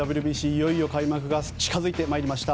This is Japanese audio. いよいよ開幕が近付いてまいりました。